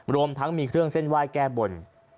รวมทั้งมีเครื่องเส้นไหว้แก้บน